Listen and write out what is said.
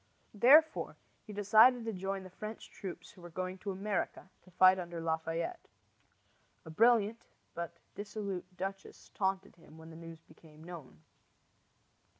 Therefore he decided to join the French troops who were going to America to fight under Lafayette. A brilliant but dissolute duchess taunted him when the news became known.